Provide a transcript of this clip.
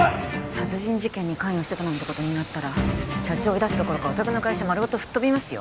殺人事件に関与してたなんてことになったら社長追い出すどころかおたくの会社丸ごと吹っ飛びますよ